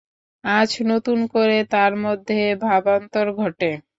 আজ নতুন করে তার মধ্যে ভাবান্তর ঘটে।